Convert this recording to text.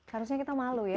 harusnya kita malu ya